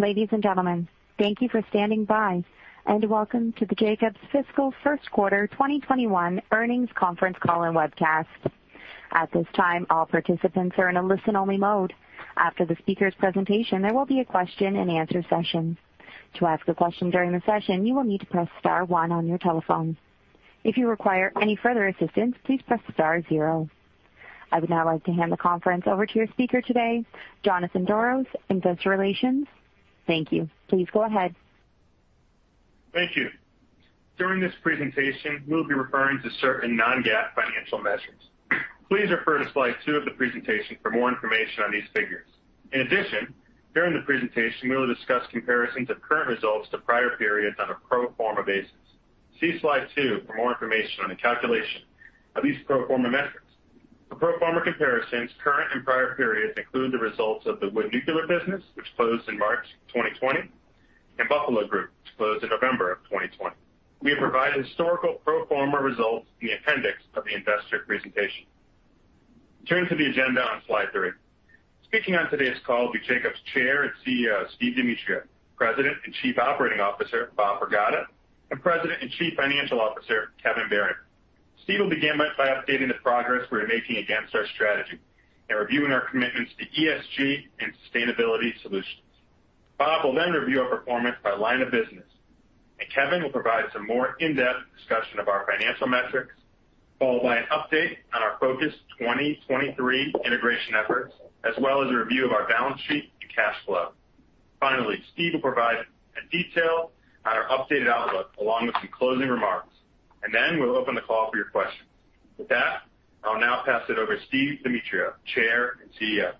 Ladies and gentlemen, thank you for standing by and welcome to the Jacobs Fiscal Q1 2021 Earnings Conference Call and Webcast. At this time, all participants are in listen-only mode. After the speaker's presentation, there will be a question-and-answer session. To ask a question during the session you may need to press star one on your telephone. If you require any further assistance please press star zero. I would now like to hand over the conference call to Jonathan Doros, Investor Relations. Thank you. Please go ahead. Thank you. During this presentation, we'll be referring to certain non-GAAP financial measures. Please refer to slide two of the presentation for more information on these figures. During the presentation, we'll discuss comparisons of current results to prior periods on a pro forma basis. See slide two for more information on the calculation of these pro forma metrics. For pro forma comparisons, current and prior periods include the results of the Wood Nuclear business, which closed in March 2022, and The Buffalo Group, which closed in November of 2022. We have provided historical pro forma results in the appendix of the investor presentation. Turning to the agenda on slide three. Speaking on today's call will be Jacobs Chair and CEO, Steve Demetriou, President and Chief Operating Officer, Bob Pragada, and President and Chief Financial Officer, Kevin Berryman. Steve will begin by updating the progress we're making against our strategy and reviewing our commitments to ESG and sustainability solutions. Bob will then review our performance by line of business, and Kevin will provide some more in-depth discussion of our financial metrics, followed by an update on our Focus 2023 integration efforts, as well as a review of our balance sheet and cash flow. Finally, Steve will provide a detail on our updated outlook along with some closing remarks. Then we'll open the call for your questions. With that, I'll now pass it over to Steve Demetriou, Chair and CEO.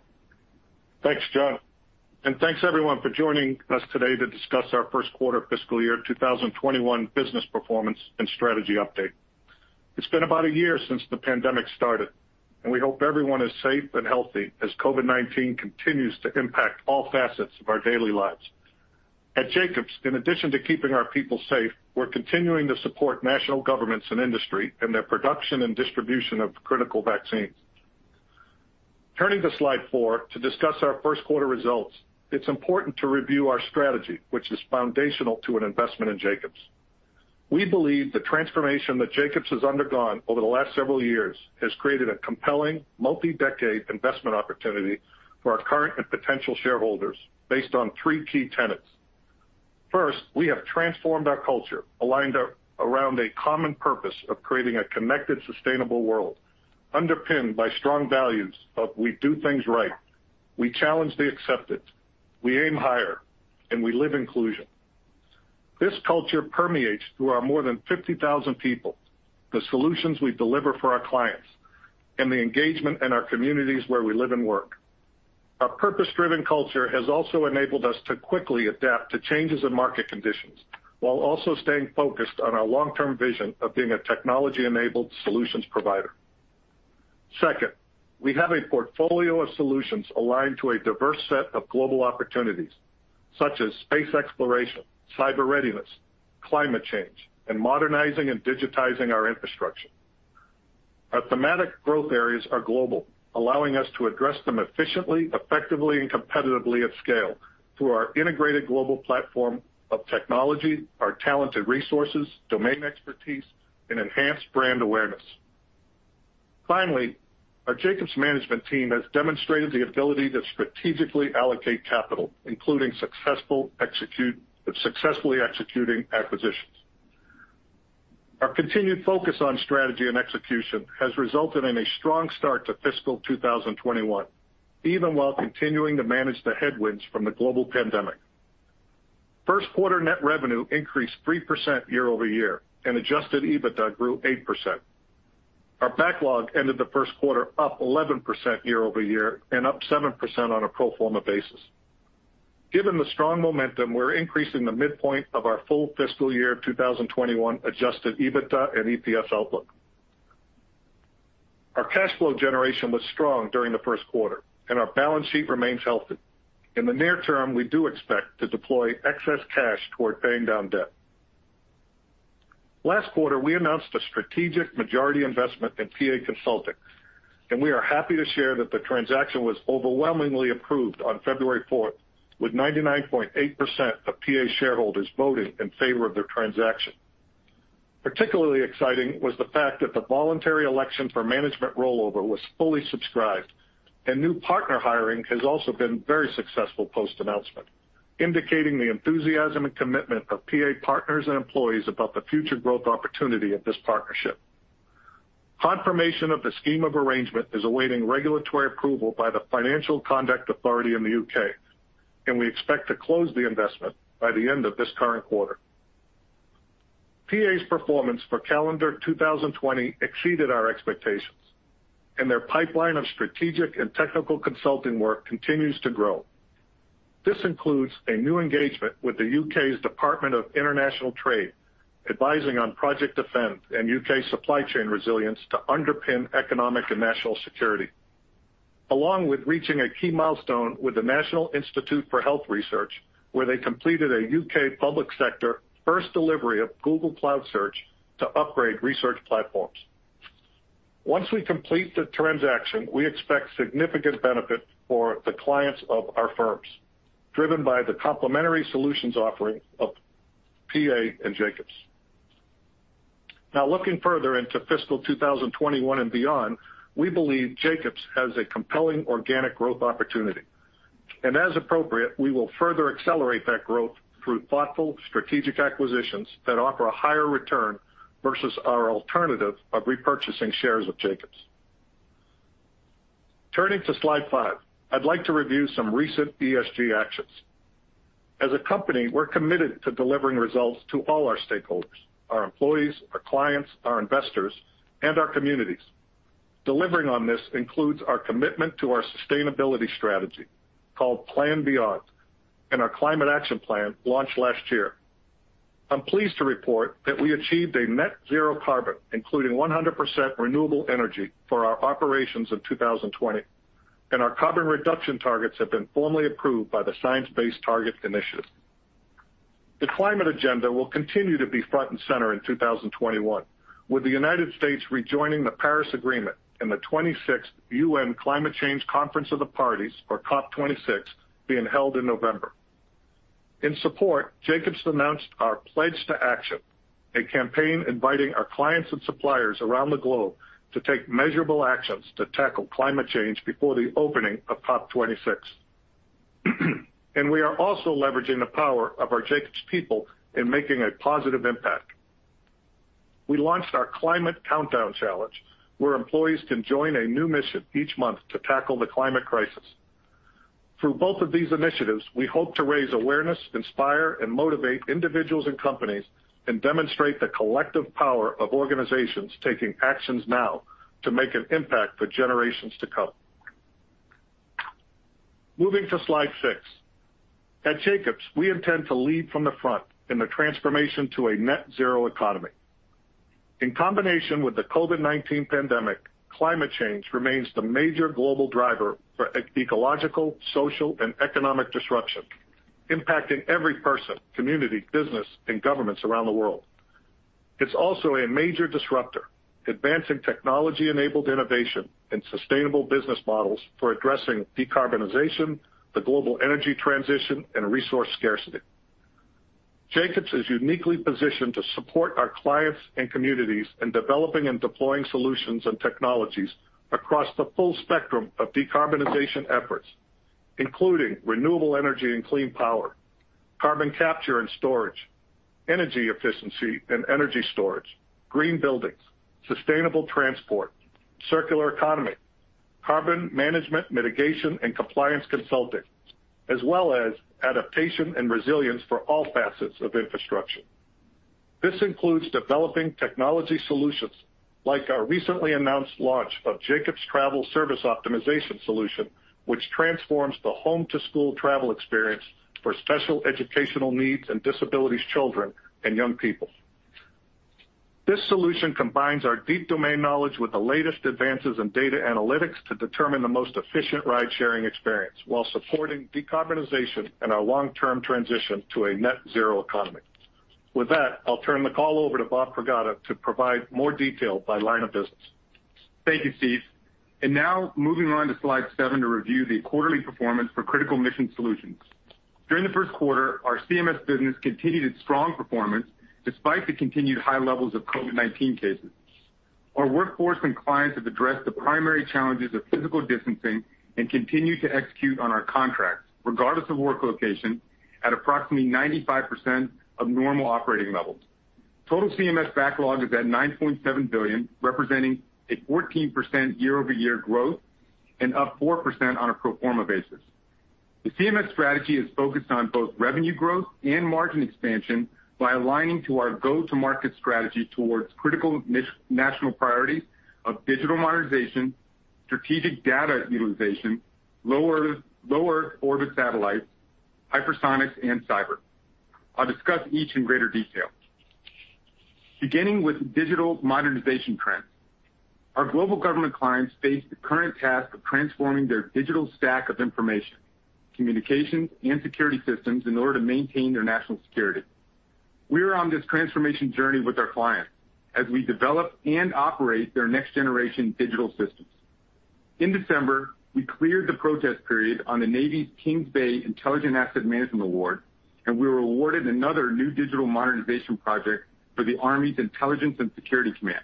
Thanks, John. Thanks, everyone, for joining us today to discuss our Q1 fiscal year 2021 business performance and strategy update. It's been about a year since the pandemic started, and we hope everyone is safe and healthy as COVID-19 continues to impact all facets of our daily lives. At Jacobs, in addition to keeping our people safe, we're continuing to support national governments and industry in their production and distribution of critical vaccines. Turning to slide four to discuss our Q1 results, it's important to review our strategy, which is foundational to an investment in Jacobs. We believe the transformation that Jacobs has undergone over the last several years has created a compelling multi-decade investment opportunity for our current and potential shareholders based on three key tenets. First, we have transformed our culture, aligned around a common purpose of creating a connected, sustainable world, underpinned by strong values of we do things right, we challenge the accepted, we aim higher, and we live inclusion. This culture permeates through our more than 50,000 people, the solutions we deliver for our clients, and the engagement in our communities where we live and work. Our purpose-driven culture has also enabled us to quickly adapt to changes in market conditions while also staying focused on our long-term vision of being a technology-enabled solutions provider. Second, we have a portfolio of solutions aligned to a diverse set of global opportunities, such as space exploration, cyber readiness, climate change, and modernizing and digitizing our infrastructure. Our thematic growth areas are global, allowing us to address them efficiently, effectively, and competitively at scale through our integrated global platform of technology, our talented resources, domain expertise, and enhanced brand awareness. Finally, our Jacobs management team has demonstrated the ability to strategically allocate capital, including successfully executing acquisitions. Our continued focus on strategy and execution has resulted in a strong start to fiscal 2021, even while continuing to manage the headwinds from the global pandemic. Q1 net revenue increased 3% year-over-year, and adjusted EBITDA grew 8%. Our backlog ended the Q1 up 11% year-over-year and up 7% on a pro forma basis. Given the strong momentum, we're increasing the midpoint of our full fiscal year 2021 adjusted EBITDA and EPS outlook. Our cash flow generation was strong during the Q1, and our balance sheet remains healthy. In the near term, we do expect to deploy excess cash toward paying down debt. Last quarter, we announced a strategic majority investment in PA Consulting, and we are happy to share that the transaction was overwhelmingly approved on February 4th with 99.8% of PA shareholders voting in favor of the transaction. Particularly exciting was the fact that the voluntary election for management rollover was fully subscribed, and new partner hiring has also been very successful post-announcement, indicating the enthusiasm and commitment of PA partners and employees about the future growth opportunity of this partnership. Confirmation of the scheme of arrangement is awaiting regulatory approval by the Financial Conduct Authority in the U.K., and we expect to close the investment by the end of this current quarter. PA's performance for calendar 2022 exceeded our expectations, and their pipeline of strategic and technical consulting work continues to grow. This includes a new engagement with the U.K.'s Department for International Trade, advising on project defense and U.K. supply chain resilience to underpin economic and national security, along with reaching a key milestone with the National Institute for Health Research, where they completed a U.K. public sector first delivery of Google Cloud Search to upgrade research platforms. Once we complete the transaction, we expect significant benefit for the clients of our firms, driven by the complementary solutions offering of PA and Jacobs. Looking further into fiscal 2021 and beyond, we believe Jacobs has a compelling organic growth opportunity. As appropriate, we will further accelerate that growth through thoughtful strategic acquisitions that offer a higher return versus our alternative of repurchasing shares of Jacobs. Turning to slide five. I'd like to review some recent ESG actions. As a company, we're committed to delivering results to all our stakeholders, our employees, our clients, our investors, and our communities. Delivering on this includes our commitment to our sustainability strategy called PlanBeyond and our climate action plan launched last year. I'm pleased to report that we achieved a net zero carbon, including 100% renewable energy for our operations in 2020, and our carbon reduction targets have been formally approved by the Science Based Targets initiative. The climate agenda will continue to be front and center in 2021. With the United States rejoining the Paris Agreement and the 26th UN Climate Change Conference of the Parties, or COP 26, being held in November. In support, Jacobs announced our Pledge to Action, a campaign inviting our clients and suppliers around the globe to take measurable actions to tackle climate change before the opening of COP 26. We are also leveraging the power of our Jacobs people in making a positive impact. We launched our Climate Countdown Challenge, where employees can join a new mission each month to tackle the climate crisis. Through both of these initiatives, we hope to raise awareness, inspire, and motivate individuals and companies, and demonstrate the collective power of organizations taking actions now to make an impact for generations to come. Moving to slide six. At Jacobs, we intend to lead from the front in the transformation to a net zero economy. In combination with the COVID-19 pandemic, climate change remains the major global driver for ecological, social, and economic disruption, impacting every person, community, business, and governments around the world. It's also a major disruptor, advancing technology-enabled innovation and sustainable business models for addressing decarbonization, the global energy transition, and resource scarcity. Jacobs is uniquely positioned to support our clients and communities in developing and deploying solutions and technologies across the full spectrum of decarbonization efforts, including renewable energy and clean power, carbon capture and storage, energy efficiency and energy storage, green buildings, sustainable transport, circular economy, carbon management, mitigation, and compliance consulting, as well as adaptation and resilience for all facets of infrastructure. This includes developing technology solutions, like our recently announced launch of Jacobs Travel Service Optimization solution, which transforms the home-to-school travel experience for special educational needs and disabilities children and young people. This solution combines our deep domain knowledge with the latest advances in data analytics to determine the most efficient ride-sharing experience while supporting decarbonization and our long-term transition to a net zero economy. With that, I'll turn the call over to Bob Pragada to provide more detail by line of business. Thank you, Steve. Now moving on to slide seven to review the quarterly performance for Critical Mission Solutions. During the Q1, our CMS business continued its strong performance despite the continued high levels of COVID-19 cases. Our workforce and clients have addressed the primary challenges of physical distancing and continue to execute on our contracts, regardless of work location, at approximately 95% of normal operating levels. Total CMS backlog is at $9.7 billion, representing a 14% year-over-year growth and up 4% on a pro forma basis. The CMS strategy is focused on both revenue growth and margin expansion by aligning to our go-to-market strategy towards critical national priorities of digital modernization, strategic data utilization, lower Earth orbit satellites, hypersonics, and cyber. I'll discuss each in greater detail. Beginning with digital modernization trends. Our global government clients face the current task of transforming their digital stack of information, communications, and security systems in order to maintain their national security. We are on this transformation journey with our clients as we develop and operate their next-generation digital systems. In December, we cleared the protest period on the Navy's Kings Bay Intelligent Asset Management Award, and we were awarded another new digital modernization project for the Army's Intelligence and Security Command.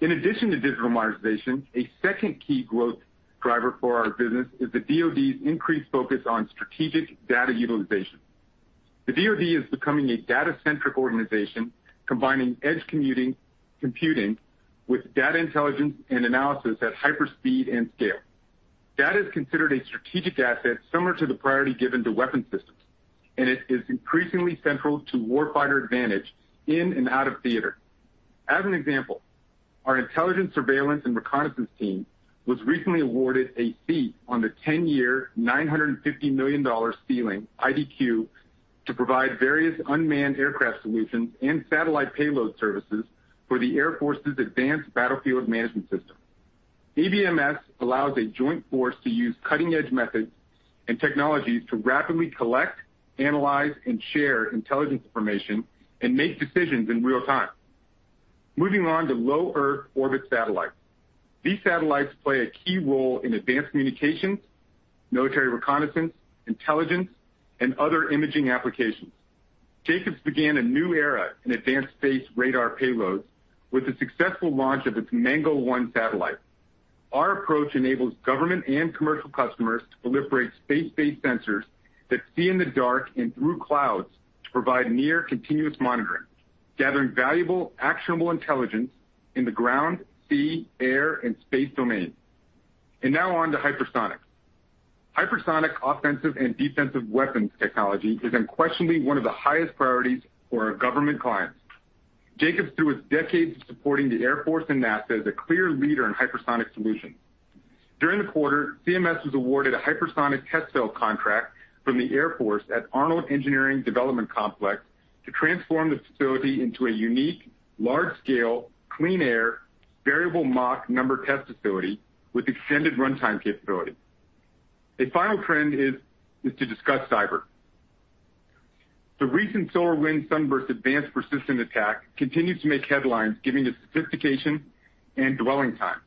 In addition to digital modernization, a second key growth driver for our business is the DOD's increased focus on strategic data utilization. The DOD is becoming a data-centric organization, combining edge computing with data intelligence and analysis at hyper speed and scale. Data is considered a strategic asset similar to the priority given to weapon systems, and it is increasingly central to war fighter advantage in and out of theater. As an example, our intelligence, surveillance, and reconnaissance team was recently awarded a seat on the 10-year, $950 million ceiling IDIQ to provide various unmanned aircraft solutions and satellite payload services for the Air Force's Advanced Battle Management System. ABMS allows a joint force to use cutting-edge methods and technologies to rapidly collect, analyze, and share intelligence information and make decisions in real time. Moving on to low Earth orbit satellites. These satellites play a key role in advanced communications, military reconnaissance, intelligence, and other imaging applications. Jacobs began a new era in advanced space radar payloads with the successful launch of its Mango One satellite. Our approach enables government and commercial customers to proliferate space-based sensors that see in the dark and through clouds to provide near continuous monitoring, gathering valuable, actionable intelligence in the ground, sea, air, and space domains. Now on to hypersonic. Hypersonic offensive and defensive weapons technology is unquestionably one of the highest priorities for our government clients. Jacobs, through its decades of supporting the Air Force and NASA, is a clear leader in hypersonic solutions. During the quarter, CMS was awarded a hypersonic test cell contract from the Air Force at Arnold Engineering Development Complex to transform the facility into a unique, large-scale, clean air, variable Mach number test facility with extended runtime capability. A final trend is to discuss cyber. The recent SolarWinds SUNBURST advanced persistent attack continues to make headlines given its sophistication and dwelling time.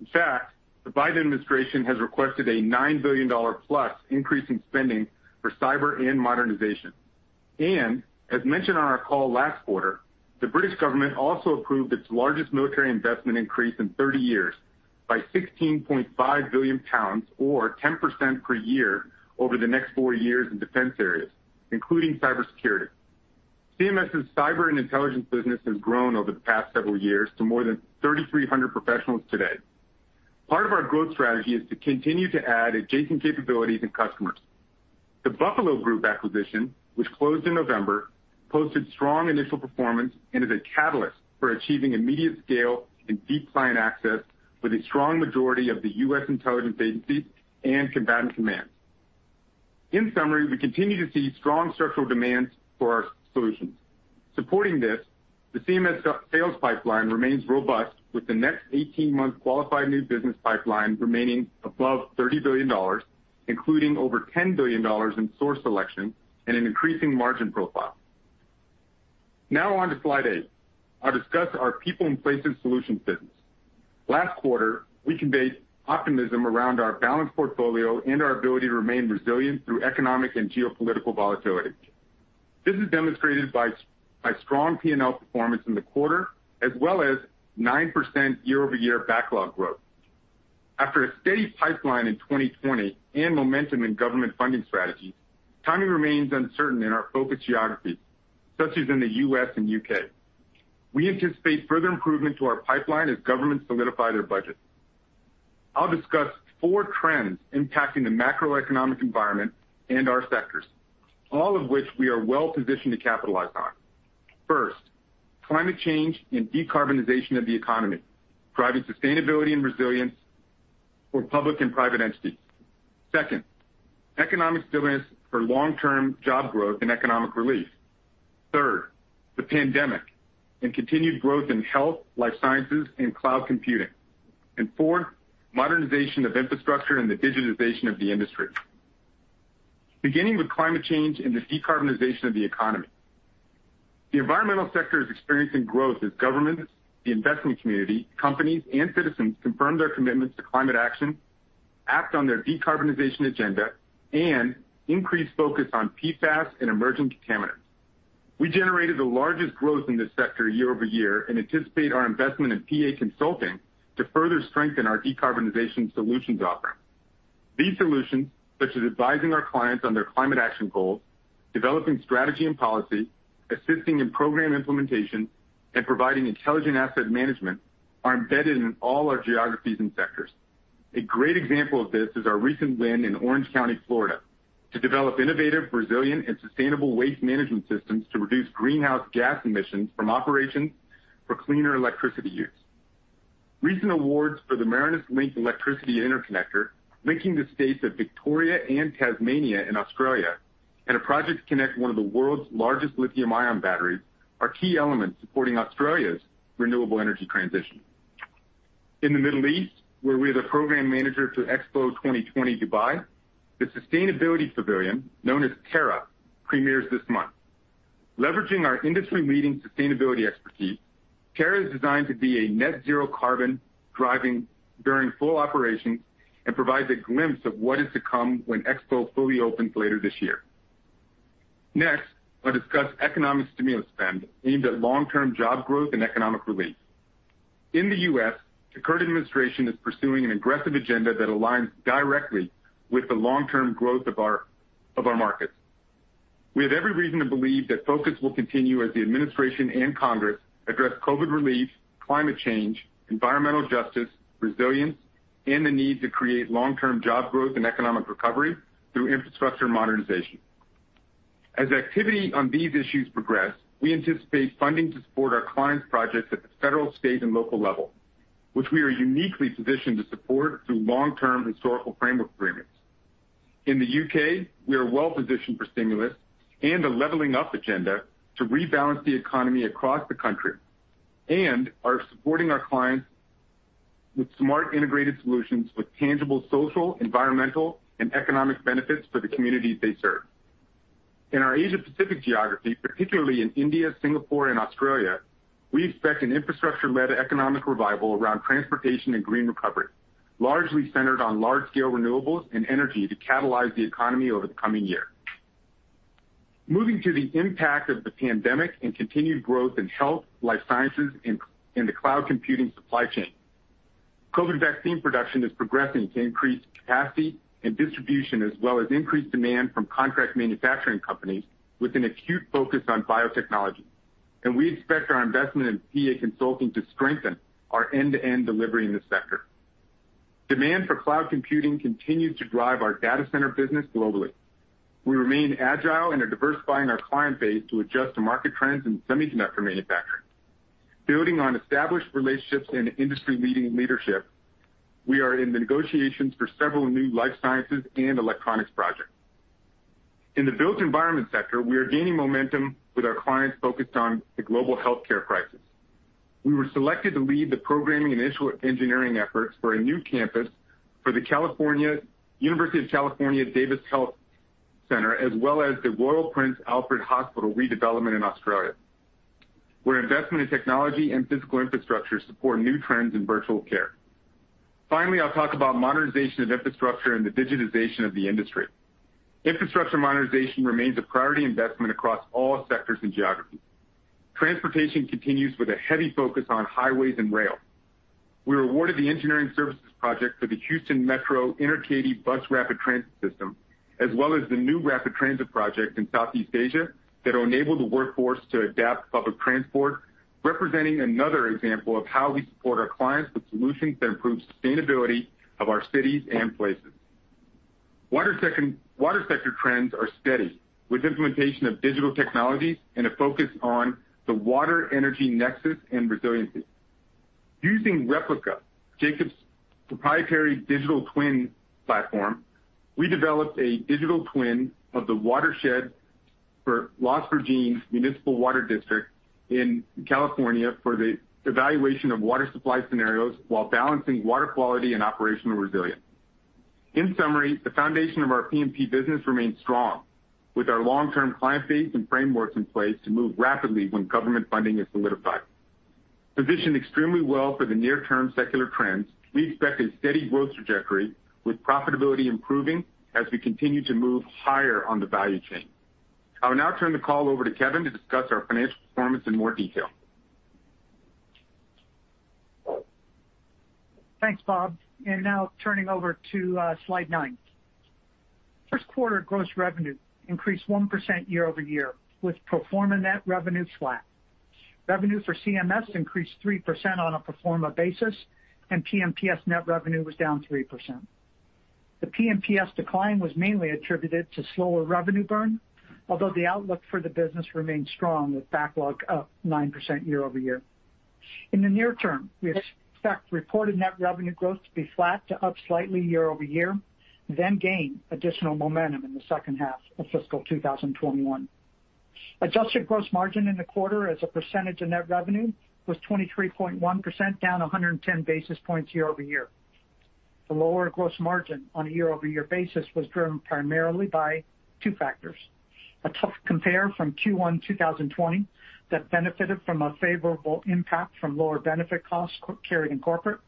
In fact, the Biden administration has requested a $9 billion+ increase in spending for cyber and modernization. As mentioned on our call last quarter, the British government also approved its largest military investment increase in 30 years by 16.5 billion pounds or 10% per year over the next four years in defense areas, including cybersecurity. CMS's cyber and intelligence business has grown over the past several years to more than 3,300 professionals today. Part of our growth strategy is to continue to add adjacent capabilities and customers. The Buffalo Group acquisition, which closed in November, posted strong initial performance and is a catalyst for achieving immediate scale and deep client access with a strong majority of the U.S. intelligence agencies and combatant commands. In summary, we continue to see strong structural demands for our solutions. Supporting this, the CMS sales pipeline remains robust with the next 18-month qualified new business pipeline remaining above $30 billion, including over $10 billion in source selection and an increasing margin profile. Now on to slide eight. I'll discuss our People & Places Solutions business. Last quarter, we conveyed optimism around our balanced portfolio and our ability to remain resilient through economic and geopolitical volatility. This is demonstrated by strong P&L performance in the quarter, as well as 9% year-over-year backlog growth. After a steady pipeline in 2022 and momentum in government funding strategies, timing remains uncertain in our focus geographies, such as in the U.S. and U.K. We anticipate further improvement to our pipeline as governments solidify their budgets. I'll discuss four trends impacting the macroeconomic environment and our sectors, all of which we are well-positioned to capitalize on. Climate change and decarbonization of the economy, driving sustainability and resilience for public and private entities. Economic stimulus for long-term job growth and economic relief. The pandemic and continued growth in health, life sciences, and cloud computing. Modernization of infrastructure and the digitization of the industry. Beginning with climate change and the decarbonization of the economy. The environmental sector is experiencing growth as governments, the investment community, companies, and citizens confirm their commitments to climate action, act on their decarbonization agenda, and increase focus on PFAS and emerging contaminants. We generated the largest growth in this sector year-over-year and anticipate our investment in PA Consulting to further strengthen our decarbonization solutions offering. These solutions, such as advising our clients on their climate action goals, developing strategy and policy, assisting in program implementation, and providing intelligent asset management, are embedded in all our geographies and sectors. A great example of this is our recent win in Orange County, Florida, to develop innovative, resilient, and sustainable waste management systems to reduce greenhouse gas emissions from operations for cleaner electricity use. Recent awards for the Marinus Link electricity interconnector, linking the states of Victoria and Tasmania in Australia, and a project to connect one of the world's largest lithium-ion batteries are key elements supporting Australia's renewable energy transition. In the Middle East, where we're the program manager for Expo 2022 Dubai, the sustainability pavilion, known as Terra, premieres this month. Leveraging our industry-leading sustainability expertise, Terra is designed to be a net zero carbon driving during full operations and provides a glimpse of what is to come when Expo fully opens later this year. Next, I'll discuss economic stimulus spend aimed at long-term job growth and economic relief. In the U.S., the current administration is pursuing an aggressive agenda that aligns directly with the long-term growth of our markets. We have every reason to believe that focus will continue as the administration and Congress address COVID relief, climate change, environmental justice, resilience, and the need to create long-term job growth and economic recovery through infrastructure modernization. As activity on these issues progress, we anticipate funding to support our clients' projects at the federal, state, and local level, which we are uniquely positioned to support through long-term historical framework agreements. In the U.K., we are well positioned for stimulus and a Leveling Up Agenda to rebalance the economy across the country, and are supporting our clients with smart integrated solutions with tangible social, environmental, and economic benefits for the communities they serve. In our Asia Pacific geography, particularly in India, Singapore, and Australia, we expect an infrastructure-led economic revival around transportation and green recovery, largely centered on large-scale renewables and energy to catalyze the economy over the coming year. Moving to the impact of the pandemic and continued growth in health, life sciences, and the cloud computing supply chain. COVID vaccine production is progressing to increase capacity and distribution, as well as increased demand from contract manufacturing companies with an acute focus on biotechnology. We expect our investment in PA Consulting to strengthen our end-to-end delivery in this sector. Demand for cloud computing continues to drive our data center business globally. We remain agile and are diversifying our client base to adjust to market trends in semiconductor manufacturing. Building on established relationships and industry-leading leadership, we are in the negotiations for several new life sciences and electronics projects. In the built environment sector, we are gaining momentum with our clients focused on the global healthcare crisis. We were selected to lead the programming and initial engineering efforts for a new campus for the University of California Davis Health Center, as well as the Royal Prince Alfred Hospital redevelopment in Australia, where investment in technology and physical infrastructure support new trends in virtual care. I'll talk about modernization of infrastructure and the digitization of the industry. Infrastructure modernization remains a priority investment across all sectors and geographies. Transportation continues with a heavy focus on highways and rail. We were awarded the engineering services project for the Houston METRO Inner Katy Bus Rapid Transit System, as well as the new rapid transit project in Southeast Asia that will enable the workforce to adapt public transport, representing another example of how we support our clients with solutions that improve sustainability of our cities and places. Water sector trends are steady, with implementation of digital technologies and a focus on the water energy nexus and resiliency. Using Replica, Jacobs' proprietary digital twin platform, we developed a digital twin of the watershed for Las Virgenes Municipal Water District in California for the evaluation of water supply scenarios while balancing water quality and operational resilience. In summary, the foundation of our P&PS business remains strong. Our long-term client base and frameworks in place to move rapidly when government funding is solidified. Positioned extremely well for the near term secular trends, we expect a steady growth trajectory with profitability improving as we continue to move higher on the value chain. I will now turn the call over to Kevin to discuss our financial performance in more detail. Thanks, Bob. Now turning over to slide nine. Q1 gross revenue increased 1% year-over-year, with pro forma net revenue flat. Revenue for CMS increased 3% on a pro forma basis, and P&PS net revenue was down 3%. The P&PS decline was mainly attributed to slower revenue burn, although the outlook for the business remains strong with backlog up 9% year-over-year. In the near term, we expect reported net revenue growth to be flat to up slightly year-over-year, then gain additional momentum in the H2 of fiscal 2021. Adjusted gross margin in the quarter as a percentage of net revenue was 23.1%, down 110 basis points year-over-year. The lower gross margin on a year-over-year basis was driven primarily by two factors, a tough compare from Q1 2022 that benefited from a favorable impact from lower benefit costs carried in corporate,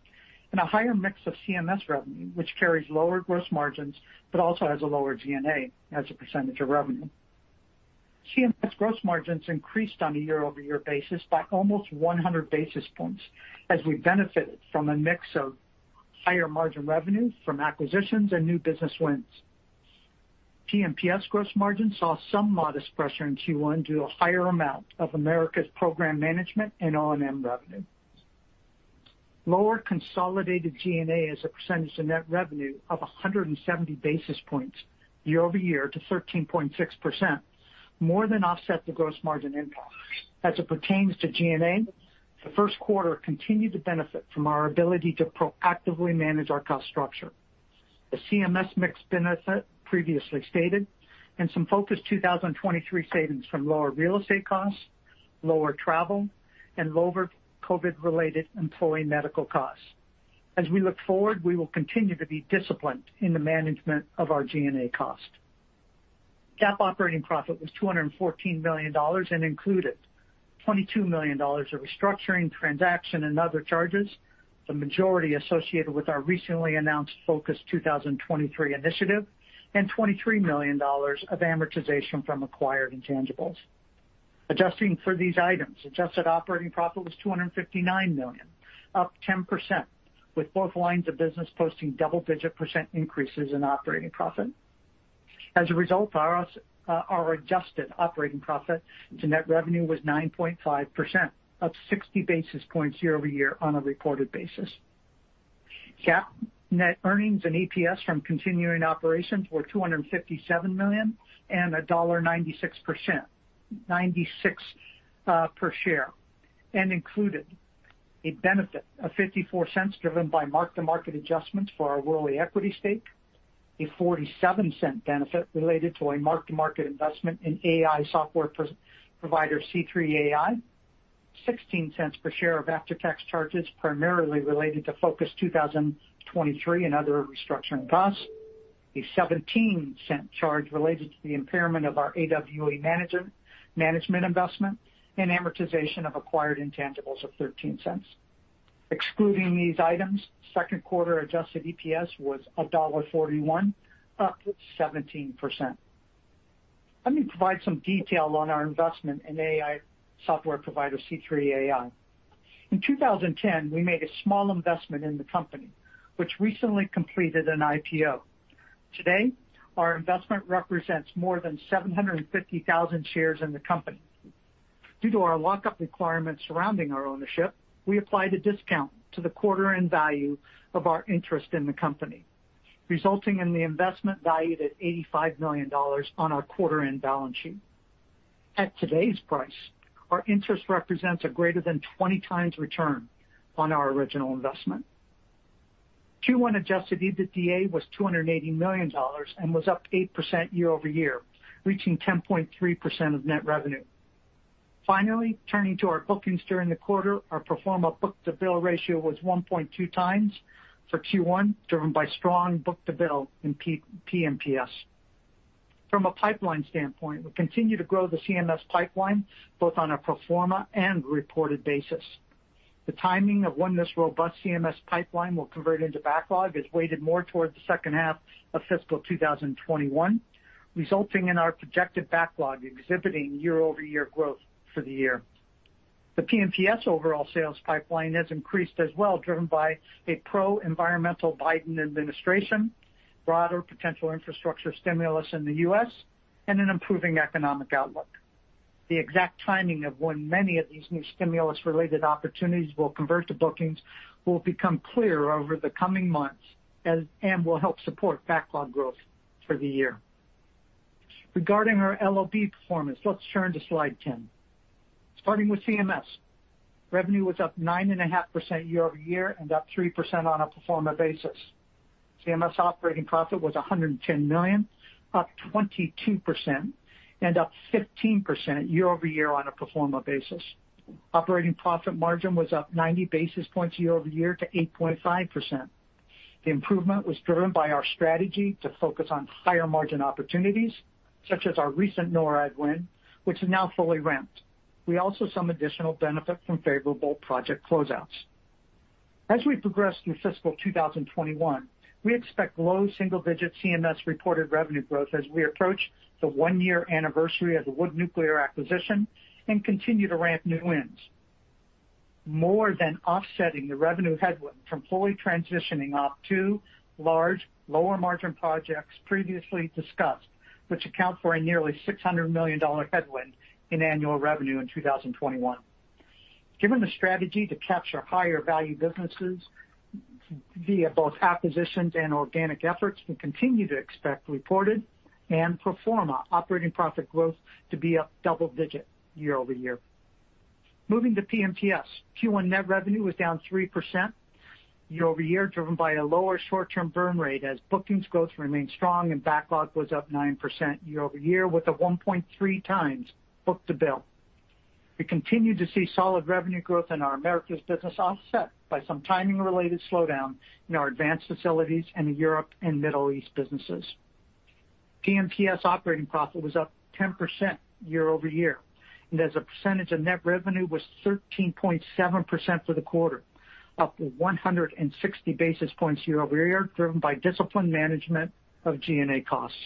and a higher mix of CMS revenue, which carries lower gross margins but also has a lower G&A as a percentage of revenue. CMS gross margins increased on a year-over-year basis by almost 100 basis points as we benefited from a mix of higher margin revenue from acquisitions and new business wins. P&PS gross margin saw some modest pressure in Q1 due to a higher amount of Americas program management and O&M revenue. Lower consolidated G&A as a percentage of net revenue of 170 basis points year-over-year to 13.6%, more than offset the gross margin impact. As it pertains to G&A, the Q1 continued to benefit from our ability to proactively manage our cost structure, the CMS mix benefit previously stated, and some Focus 2023 savings from lower real estate costs, lower travel, and lower COVID-related employee medical costs. As we look forward, we will continue to be disciplined in the management of our G&A cost. GAAP operating profit was $214 million and included $22 million of restructuring, transaction, and other charges, the majority associated with our recently announced Focus 2023 initiative, and $23 million of amortization from acquired intangibles. Adjusting for these items, adjusted operating profit was $259 million, up 10%, with both lines of business posting double-digit percent increases in operating profit. As a result, our adjusted operating profit to net revenue was 9.5%, up 60 basis points year-over-year on a reported basis. GAAP net earnings and EPS from continuing operations were $257 million and $1.96 per share, and included a benefit of $0.54 driven by mark-to-market adjustments for our Worley equity stake, a $0.47 benefit related to a mark-to-market investment in AI software provider C3.ai, $0.16 per share of after-tax charges primarily related to Focus 2023 and other restructuring costs. A $0.17 charge related to the impairment of our AWE Management investment and amortization of acquired intangibles of $0.13. Excluding these items, Q2 adjusted EPS was $1.41, up 17%. Let me provide some detail on our investment in AI software provider C3.ai. In 2010, we made a small investment in the company, which recently completed an IPO. Today, our investment represents more than 750,000 shares in the company. Due to our lockup requirements surrounding our ownership, we applied a discount to the quarter-end value of our interest in the company, resulting in the investment valued at $85 million on our quarter-end balance sheet. At today's price, our interest represents a greater than 20x return on our original investment. Q1 adjusted EBITDA was $280 million and was up 8% year-over-year, reaching 10.3% of net revenue. Turning to our bookings during the quarter, our pro forma book-to-bill ratio was 1.2x For Q1, driven by strong book-to-bill in P&PS. From a pipeline standpoint, we continue to grow the CMS pipeline both on a pro forma and reported basis. The timing of when this robust CMS pipeline will convert into backlog is weighted more towards the H2 of fiscal 2021, resulting in our projected backlog exhibiting year-over-year growth for the year. The P&PS overall sales pipeline has increased as well, driven by a pro-environmental Biden administration, broader potential infrastructure stimulus in the U.S., and an improving economic outlook. The exact timing of when many of these new stimulus-related opportunities will convert to bookings will become clearer over the coming months and will help support backlog growth for the year. Regarding our LOB performance, let's turn to slide 10. Starting with CMS. Revenue was up 9.5% year-over-year and up 3% on a pro forma basis. CMS operating profit was $110 million, up 22% and up 15% year-over-year on a pro forma basis. Operating profit margin was up 90 basis points year-over-year to 8.5%. The improvement was driven by our strategy to focus on higher margin opportunities, such as our recent NORAD win, which is now fully ramped. We also saw some additional benefit from favorable project closeouts. As we progress through fiscal 2021, we expect low single-digit CMS reported revenue growth as we approach the one-year anniversary of the Wood Nuclear acquisition and continue to ramp new wins. More than offsetting the revenue headwind from fully transitioning off two large lower-margin projects previously discussed, which account for a nearly $600 million headwind in annual revenue in 2021. Given the strategy to capture higher value businesses via both acquisitions and organic efforts, we continue to expect reported and pro forma operating profit growth to be up double digits year-over-year. Moving to P&PS. Q1 net revenue was down 3% year-over-year, driven by a lower short-term burn rate as bookings growth remained strong and backlog was up 9% year-over-year with a 1.3x book to bill. We continue to see solid revenue growth in our Americas business, offset by some timing-related slowdown in our advanced facilities in the Europe and Middle East businesses. P&PS operating profit was up 10% year-over-year, and as a percentage of net revenue was 13.7% for the quarter, up 160 basis points year-over-year, driven by disciplined management of G&A costs.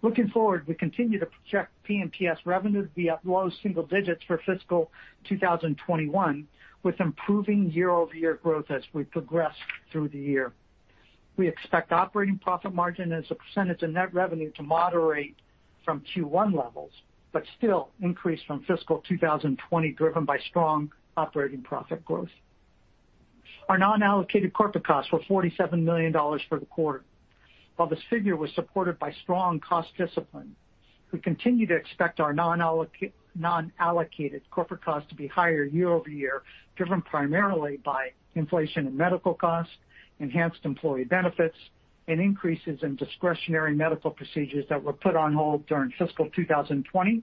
Looking forward, we continue to project P&PS revenue to be up low single-digits for fiscal 2021, with improving year-over-year growth as we progress through the year. We expect operating profit margin as a percentage of net revenue to moderate from Q1 levels, but still increase from fiscal 2022, driven by strong operating profit growth. Our non-allocated corporate costs were $47 million for the quarter. While this figure was supported by strong cost discipline, we continue to expect our non-allocated corporate costs to be higher year-over-year, driven primarily by inflation in medical costs, enhanced employee benefits, and increases in discretionary medical procedures that were put on hold during fiscal 2022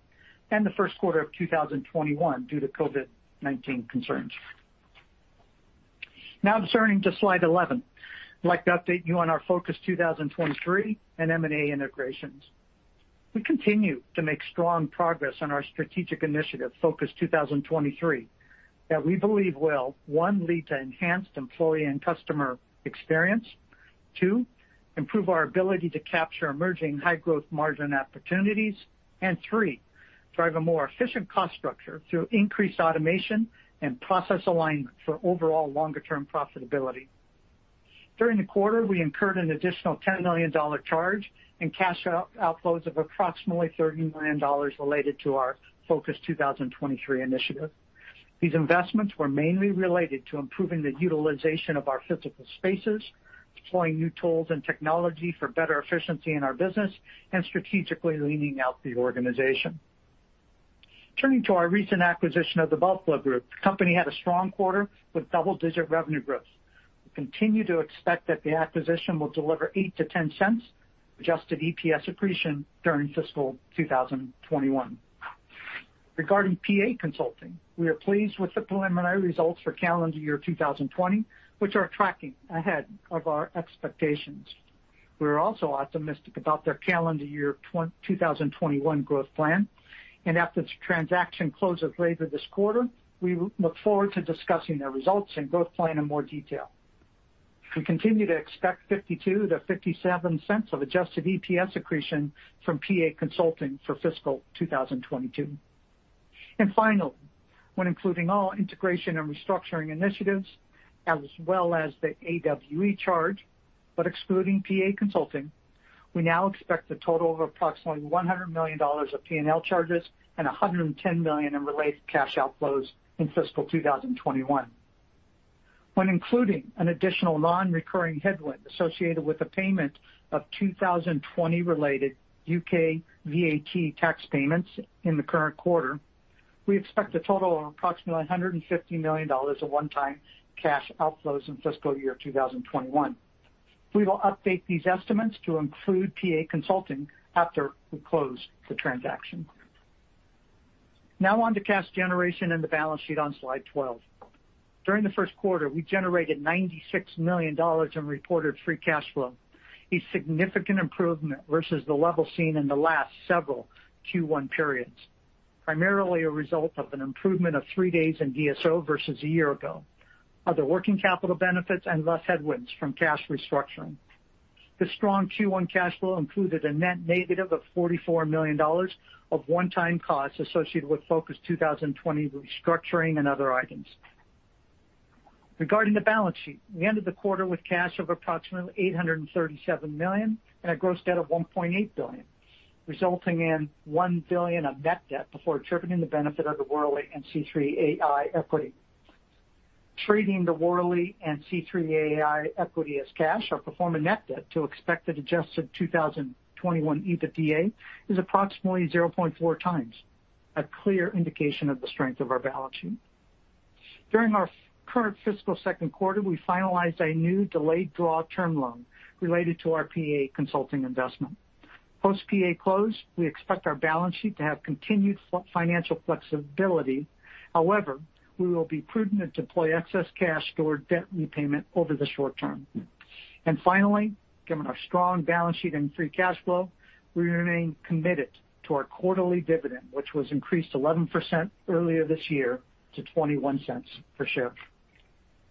and the Q1 of 2021 due to COVID-19 concerns. Turning to slide 11. I'd like to update you on our Focus 2023 and M&A integrations. We continue to make strong progress on our strategic initiative, Focus 2023, that we believe will, one, lead to enhanced employee and customer experience. Two, improve our ability to capture emerging high growth margin opportunities. Three, drive a more efficient cost structure through increased automation and process alignment for overall longer-term profitability. During the quarter, we incurred an additional $10 million charge and cash outflows of approximately $30 million related to our Focus 2023 initiative. These investments were mainly related to improving the utilization of our physical spaces, deploying new tools and technology for better efficiency in our business, and strategically leaning out the organization. Our recent acquisition of The Buffalo Group. The company had a strong quarter with double-digit revenue growth. We continue to expect that the acquisition will deliver $0.08-$0.10 adjusted EPS accretion during fiscal 2021. PA Consulting, we are pleased with the preliminary results for calendar year 2022, which are tracking ahead of our expectations. We are also optimistic about their calendar year 2021 growth plan, and after the transaction closes later this quarter, we look forward to discussing their results and growth plan in more detail. We continue to expect $0.52-$0.57 of adjusted EPS accretion from PA Consulting for fiscal 2022. Finally, when including all integration and restructuring initiatives as well as the AWE charge, but excluding PA Consulting, we now expect a total of approximately $100 million of P&L charges and $110 million in related cash outflows in fiscal 2021. Including an additional non-recurring headwind associated with the payment of 2022 related U.K. VAT tax payments in the current quarter, we expect a total of approximately $150 million of one-time cash outflows in fiscal year 2021. We will update these estimates to include PA Consulting after we close the transaction. On to cash generation and the balance sheet on slide 12. During the Q1, we generated $96 million in reported free cash flow, a significant improvement versus the level seen in the last several Q1 periods, primarily a result of an improvement of three days in DSO versus a year ago, other working capital benefits, and less headwinds from cash restructuring. The strong Q1 cash flow included a net negative of $44 million of one-time costs associated with Focus 2023 restructuring and other items. Regarding the balance sheet, we ended the quarter with cash of approximately $837 million and a gross debt of $1.8 billion, resulting in $1 billion of net debt before attributing the benefit of the Worley and C3.ai Equity. Treating the Worley and C3.ai Equity as cash, our pro forma net debt to expected adjusted 2021 EBITDA is approximately 0.4x, a clear indication of the strength of our balance sheet. During our current fiscal Q2, we finalized a new delayed draw term loan related to our PA Consulting investment. Post PA close, we expect our balance sheet to have continued financial flexibility. We will be prudent to deploy excess cash toward debt repayment over the short term. Finally, given our strong balance sheet and free cash flow, we remain committed to our quarterly dividend, which was increased 11% earlier this year to $0.21 per share.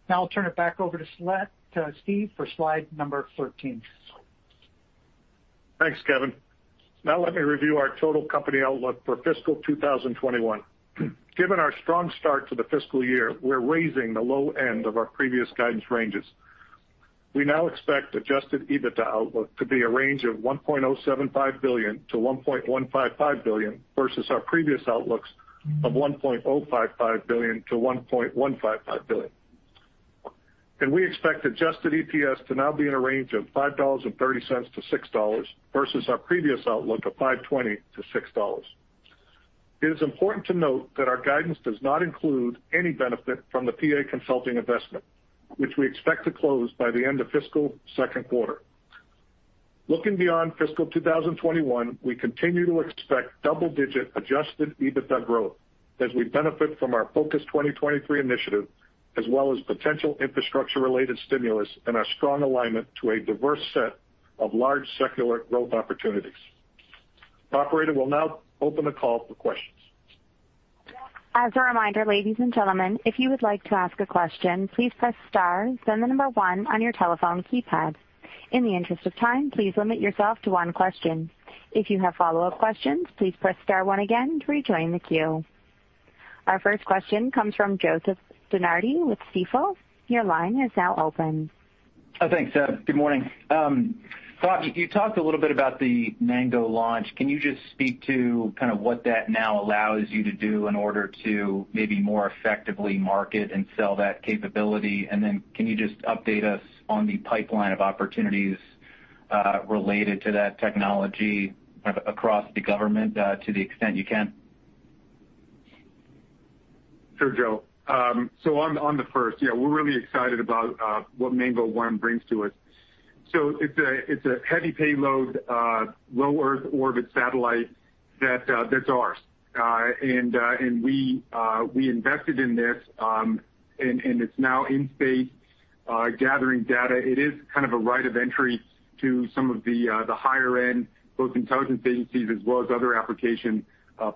Now I'll turn it back over to Steve for slide number 13. Thanks, Kevin. Now let me review our total company outlook for fiscal 2021. Given our strong start to the fiscal year, we're raising the low end of our previous guidance ranges. We now expect adjusted EBITDA outlook to be a range of $1.075 billion-$1.155 billion versus our previous outlooks of $1.055 billion-$1.155 billion. We expect adjusted EPS to now be in a range of $5.30-$6 versus our previous outlook of $5.20-$6. It is important to note that our guidance does not include any benefit from the PA Consulting investment, which we expect to close by the end of fiscal Q2. Looking beyond fiscal 2021, we continue to expect double-digit adjusted EBITDA growth as we benefit from our Focus 2023 initiative, as well as potential infrastructure-related stimulus and our strong alignment to a diverse set of large secular growth opportunities. Operator, we'll now open the call for questions. As a reminder, ladies and gentlemen, if you would like to ask a question, please press star, then the number one on your telephone keypad. In the interest of time, please limit yourself to one question. If you have follow-up questions, please press star one again to rejoin the queue. Our first question comes from Joseph DeNardi with Stifel. Your line is now open. Oh, thanks. Good morning. You talked a little bit about the Mango launch. Can you just speak to what that now allows you to do in order to maybe more effectively market and sell that capability? Can you just update us on the pipeline of opportunities related to that technology across the government to the extent you can? Sure, Joe. On the first, yeah, we're really excited about what Mango One brings to us. It's a heavy payload, low earth orbit satellite that's ours. We invested in this, and it's now in space gathering data. It is kind of a right of entry to some of the higher end, both intelligence agencies as well as other application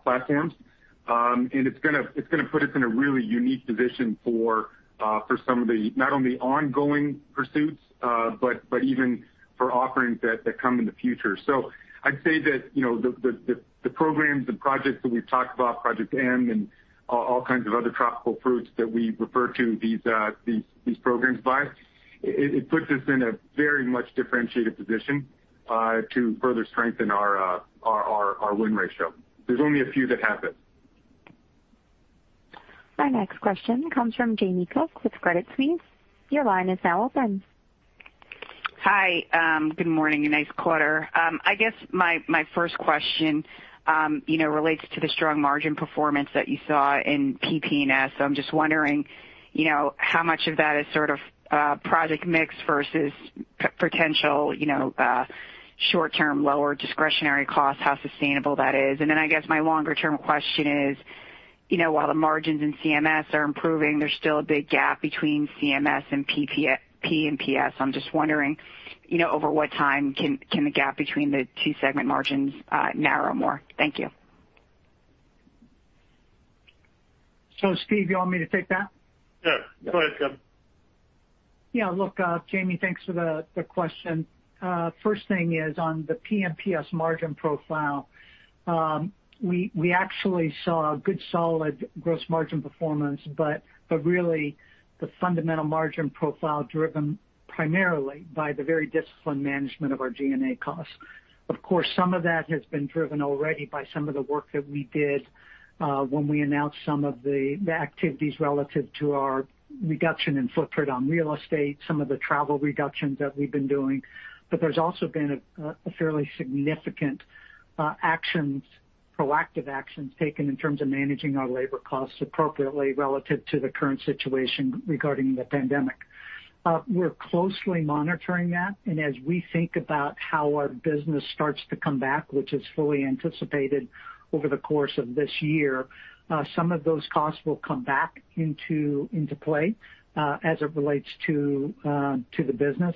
platforms. It's going to put us in a really unique position for some of the, not only ongoing pursuits, but even for offerings that come in the future. I'd say that the programs and projects that we've talked about, Project M and all kinds of other tropical fruits that we refer to these programs by, it puts us in a very much differentiated position to further strengthen our win ratio. There's only a few that have it. Our next question comes from Jamie Cook with Credit Suisse. Your line is now open. Hi. Good morning, nice quarter. I guess my first question relates to the strong margin performance that you saw in PP&S. I'm just wondering, how much of that is sort of project mix versus potential short-term, lower discretionary costs, how sustainable that is. I guess my longer-term question is, while the margins in CMS are improving, there's still a big gap between CMS and PP&S. I'm just wondering, over what time can the gap between the two segment margins narrow more? Thank you. Steve, you want me to take that? Sure. Go ahead, Kevin. Jamie, thanks for the question. First thing is on the P&PS margin profile. We actually saw good solid gross margin performance, really the fundamental margin profile driven primarily by the very disciplined management of our G&A costs. Of course, some of that has been driven already by some of the work that we did when we announced some of the activities relative to our reduction in footprint on real estate, some of the travel reductions that we've been doing. There's also been a fairly significant proactive actions taken in terms of managing our labor costs appropriately relative to the current situation regarding the pandemic. We're closely monitoring that, as we think about how our business starts to come back, which is fully anticipated over the course of this year, some of those costs will come back into play as it relates to the business.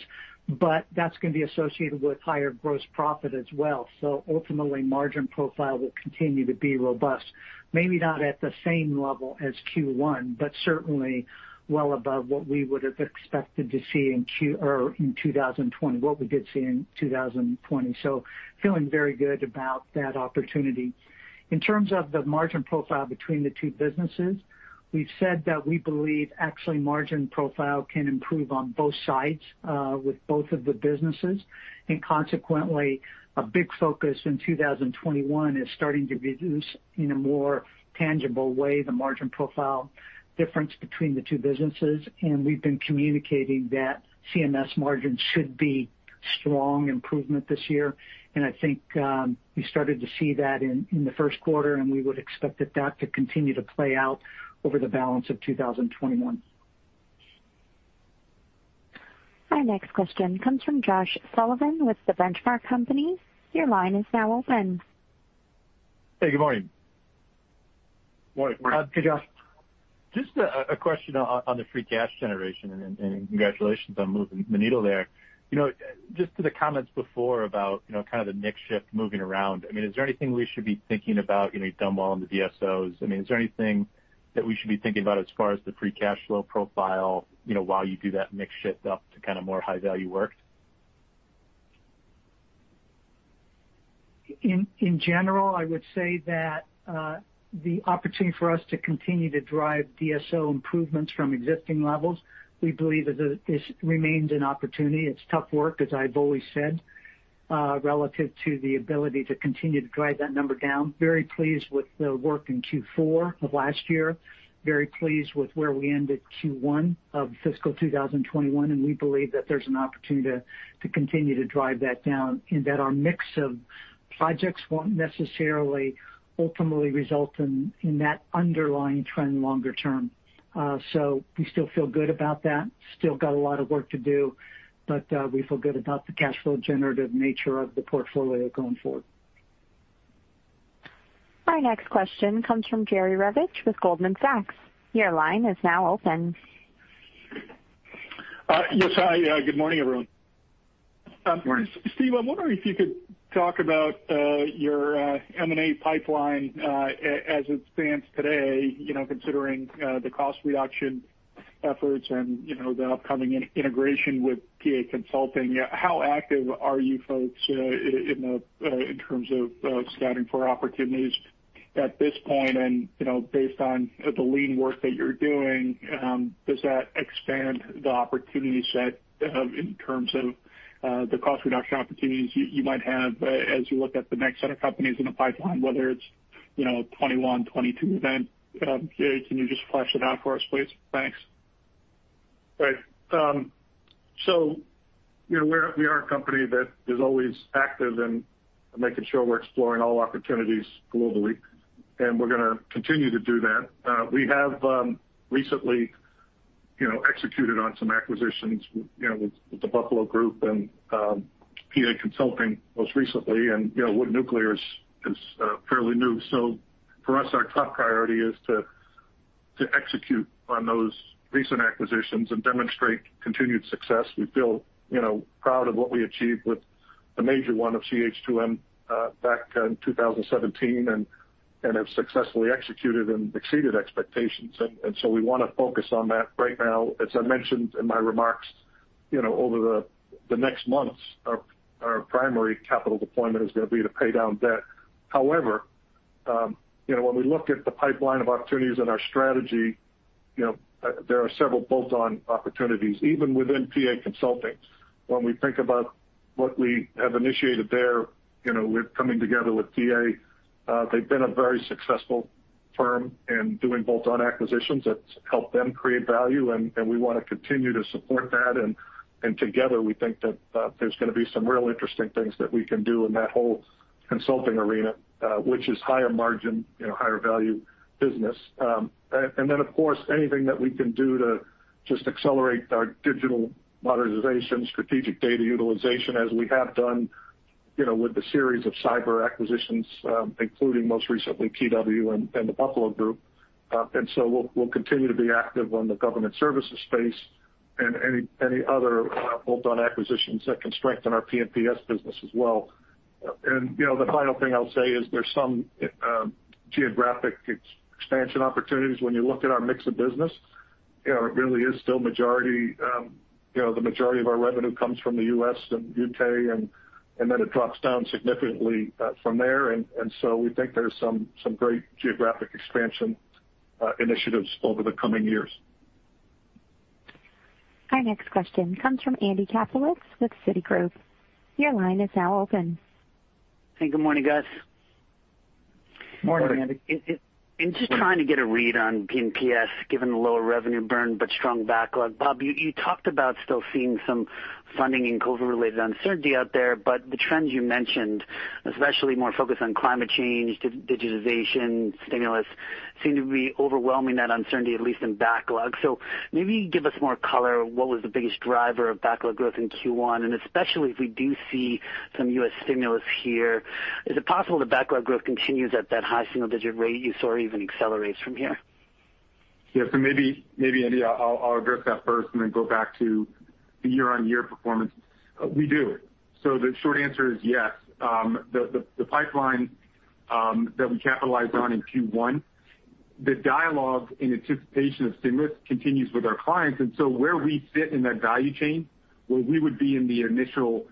That's going to be associated with higher gross profit as well. Ultimately, margin profile will continue to be robust. Maybe not at the same level as Q1, but certainly well above what we would have expected to see in 2022, what we did see in 2022. Feeling very good about that opportunity. In terms of the margin profile between the two businesses, we've said that we believe actually margin profile can improve on both sides, with both of the businesses. Consequently, a big focus in 2021 is starting to reduce, in a more tangible way, the margin profile difference between the two businesses. We've been communicating that CMS margins should be strong improvement this year. I think we started to see that in the Q1, and we would expect that to continue to play out over the balance of 2021. Our next question comes from Josh Sullivan with The Benchmark Company. Your line is now open. Hey, good morning. Morning. Hey, Josh. Just a question on the free cash generation, and congratulations on moving the needle there. Just to the comments before about kind of the mix shift moving around. Is there anything we should be thinking about? You've done well in the DSOs. Is there anything that we should be thinking about as far as the free cash flow profile while you do that mix shift up to kind of more high-value work? In general, I would say that the opportunity for us to continue to drive DSO improvements from existing levels, we believe this remains an opportunity. It's tough work, as I've always said, relative to the ability to continue to drive that number down. Very pleased with the work in Q4 of last year. Very pleased with where we ended Q1 of fiscal 2021, and we believe that there's an opportunity to continue to drive that down, and that our mix of projects won't necessarily ultimately result in that underlying trend longer term. We still feel good about that. We still got a lot of work to do, but we feel good about the cash flow generative nature of the portfolio going forward. Our next question comes from Jerry Revich with Goldman Sachs. Your line is now open. Yes. Hi. Good morning, everyone. Morning. Steve, I'm wondering if you could talk about your M&A pipeline as it stands today, considering the cost reduction efforts and the upcoming integration with PA Consulting. How active are you folks in terms of scouting for opportunities at this point? Based on the lean work that you're doing, does that expand the opportunity set in terms of the cost reduction opportunities you might have as you look at the next set of companies in the pipeline, whether it's 2021, 2022 event? Can you just flesh it out for us, please? Thanks. Right. We are a company that is always active in making sure we're exploring all opportunities globally, and we're going to continue to do that. We have recently executed on some acquisitions with The Buffalo Group and PA Consulting most recently. Wood Nuclear is fairly new. For us, our top priority is to execute on those recent acquisitions and demonstrate continued success. We feel proud of what we achieved with the major one of CH2M back in 2017 and have successfully executed and exceeded expectations. We want to focus on that right now. As I mentioned in my remarks, over the next months, our primary capital deployment is going to be to pay down debt. However, when we look at the pipeline of opportunities and our strategy, there are several bolt-on opportunities, even within PA Consulting. When we think about what we have initiated there with coming together with PA, they've been a very successful firm in doing bolt-on acquisitions that help them create value, we want to continue to support that. Together, we think that there's going to be some real interesting things that we can do in that whole consulting arena, which is higher margin, higher value business. Of course, anything that we can do to just accelerate our digital modernization, strategic data utilization, as we have done with the series of cyber acquisitions, including most recently KeyW and The Buffalo Group. We'll continue to be active on the government services space and any other bolt-on acquisitions that can strengthen our P&PS business as well. The final thing I'll say is there's some geographic expansion opportunities when you look at our mix of business. It really is still the majority of our revenue comes from the U.S. and U.K., and then it drops down significantly from there. We think there's some great geographic expansion initiatives over the coming years. Our next question comes from Andy Kaplowitz with Citigroup. Your line is now open. Hey, good morning, guys. Morning, Andy. I'm just trying to get a read on P&PS, given the lower revenue burn, but strong backlog. Bob, you talked about still seeing some funding and COVID-related uncertainty out there, but the trends you mentioned, especially more focused on climate change, digitization, stimulus, seem to be overwhelming that uncertainty, at least in backlog. Maybe give us more color. What was the biggest driver of backlog growth in Q1? And especially if we do see some U.S. stimulus here, is it possible the backlog growth continues at that high single-digit rate you saw or even accelerates from here? Maybe, Andy, I'll address that first and then go back to the year-over-year performance. We do. The short answer is yes. The pipeline that we capitalized on in Q1, the dialogue in anticipation of stimulus continues with our clients, where we sit in that value chain, where we would be in the initial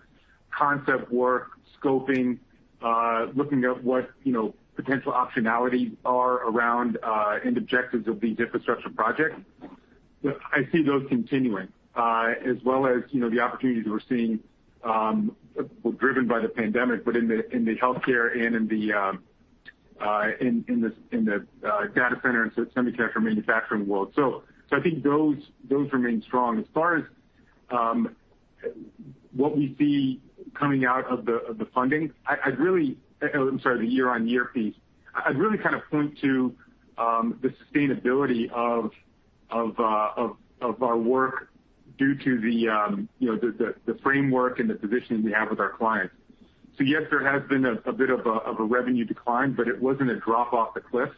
concept work, scoping, looking at what potential optionalities are around end objectives of these infrastructure projects. I see those continuing, as well as the opportunities we're seeing driven by the pandemic, but in the healthcare and in the data center and semiconductor manufacturing world. I think those remain strong. As far as what we see coming out of the funding, oh, I'm sorry, the year-over-year piece. I'd really point to the sustainability of our work due to the framework and the positioning we have with our clients. Yes, there has been a bit of a revenue decline, but it wasn't a drop off the cliff.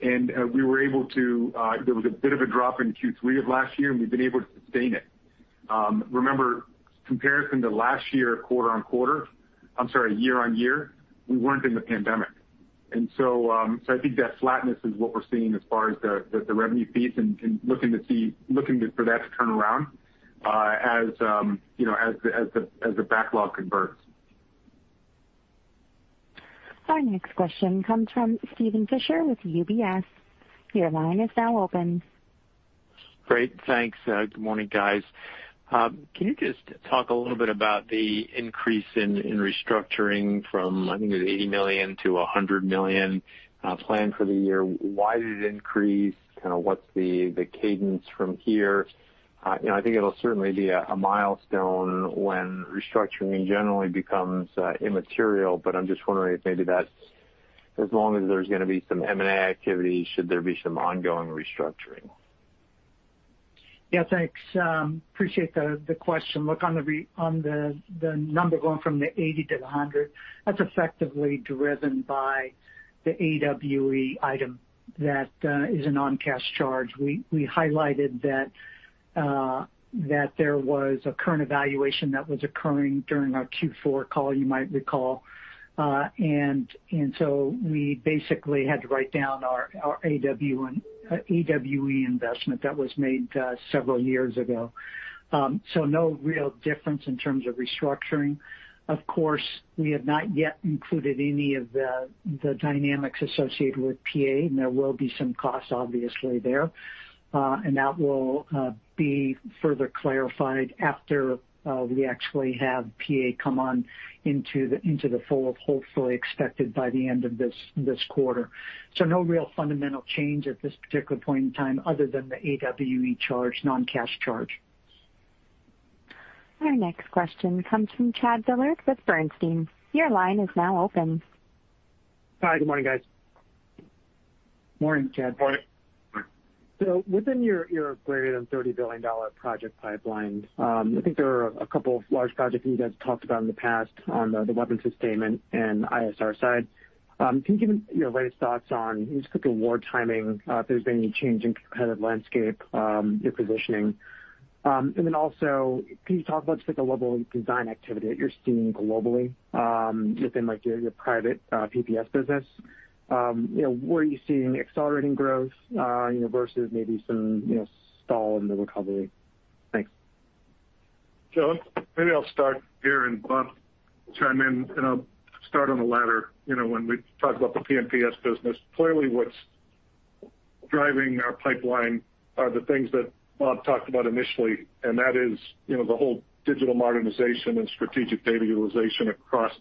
There was a bit of a drop in Q3 of last year, and we've been able to sustain it. Remember, comparison to last year, quarter-on-quarter-- I'm sorry, year-on-year, we weren't in the pandemic. I think that flatness is what we're seeing as far as the revenue piece and looking for that to turn around as the backlog converts. Our next question comes from Steven Fisher with UBS. Your line is now open. Great. Thanks. Good morning, guys. Can you just talk a little bit about the increase in restructuring from, I think it was $80 million-$100 million planned for the year? Why did it increase? What's the cadence from here? I think it'll certainly be a milestone when restructuring generally becomes immaterial, but I'm just wondering if maybe that's as long as there's going to be some M&A activity, should there be some ongoing restructuring? Yeah, thanks. Appreciate the question. Look, on the number going from the 80 to the 100, that's effectively driven by the AWE item that is a non-cash charge. We highlighted that there was a current evaluation that was occurring during our Q4 call, you might recall. We basically had to write down our AWE investment that was made several years ago. No real difference in terms of restructuring. Of course, we have not yet included any of the dynamics associated with PA, and there will be some costs obviously there. That will be further clarified after we actually have PA come on into the fold, hopefully expected by the end of this quarter. No real fundamental change at this particular point in time other than the AWE charge, non-cash charge. Our next question comes from Chad Dillard with Bernstein. Your line is now open. Hi, good morning, guys. Morning, Chad. Morning. Within your greater than $30 billion project pipeline, I think there are a couple of large projects that you guys talked about in the past on the weapons sustainment and ISR side. Can you give your latest thoughts on just the award timing, if there's been any change in competitive landscape, your positioning? Can you talk about just the global design activity that you're seeing globally within your private P&PS business? Were you seeing accelerating growth versus maybe some stall in the recovery? Thanks. Chad, maybe I'll start here and Bob chime in, and I'll start on the ladder. When we talk about the P&PS business, clearly what's driving our pipeline are the things that Bob talked about initially, and that is the whole digital modernization and strategic data utilization across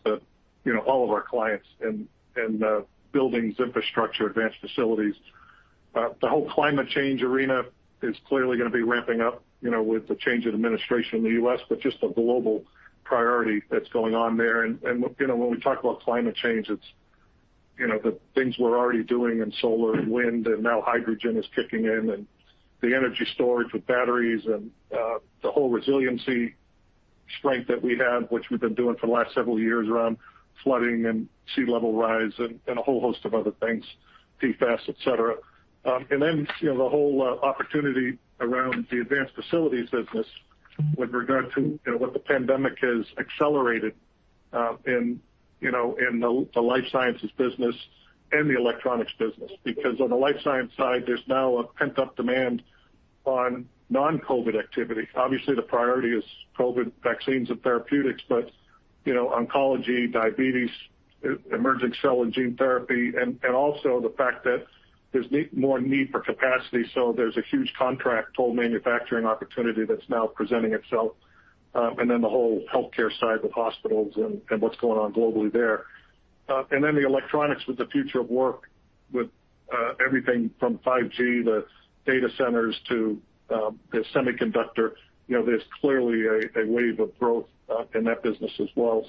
all of our clients and buildings, infrastructure, advanced facilities. The whole climate change arena is clearly going to be ramping up with the change of administration in the U.S., but just the global priority that's going on there. When we talk about climate change, it's the things we're already doing in solar, wind, and now hydrogen is kicking in, and the energy storage with batteries and the whole resiliency strength that we have, which we've been doing for the last several years around flooding and sea level rise and a whole host of other things, PFAS, et cetera. The whole opportunity around the advanced facilities business with regard to what the pandemic has accelerated in the life sciences business and the electronics business. On the life science side, there's now a pent-up demand on non-COVID activity. Obviously, the priority is COVID vaccines and therapeutics, but oncology, diabetes, emerging cell and gene therapy, and also the fact that there's more need for capacity, so there's a huge opportunity that's now presenting itself. The whole healthcare side with hospitals and what's going on globally there. The electronics with the future of work with everything from 5G to data centers to the semiconductor. There's clearly a wave of growth in that business as well.